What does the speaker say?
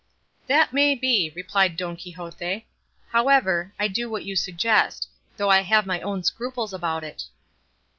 "That may be," replied Don Quixote; "however, I will do what you suggest; though I have my own scruples about it."